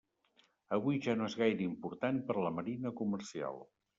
Avui ja no és gaire important per a la marina comercial.